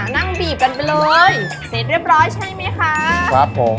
นั่งบีบกันไปเลยเสร็จเรียบร้อยใช่ไหมคะครับผม